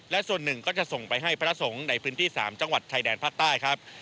และส่วนหนึ่งก็จะส่งไปให้พระสงฆ์ในพื้นที่๓จังหวัดชายแดนภาคใต้ครับ